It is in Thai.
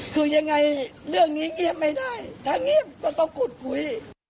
คือยังไงเรื่องนี้เงียบไม่ได้ถ้าเงียบก็ต้องขุดคุย